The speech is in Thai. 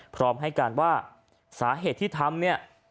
พร้อมให้การว่าสาเหตุที่ทำเนี่ย